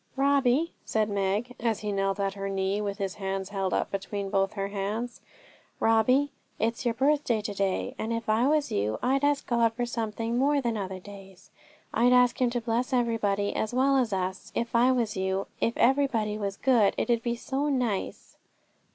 'Robbie,' said Meg, as he knelt at her knee, with his hands held up between both her hands, 'Robbie, it's your birthday to day; and if I was you I'd ask God for something more than other days. I'd ask Him to bless everybody as well as us if I was you. If everybody was good, it'd be so nice.'